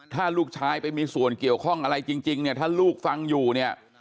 ถ้าลูกชายไปมีส่วนเกี่ยวข้องอะไรจริงเนี่ยถ้าลูกฟังอยู่เนี่ย